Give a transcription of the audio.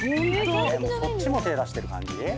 そっちも手出してる感じ？